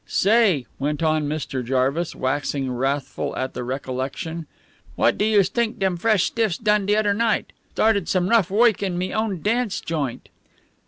"Say," went on Mr. Jarvis, waxing wrathful at the recollection, "what do youse t'ink dem fresh stiffs done de odder night? Started some rough woik in me own dance joint."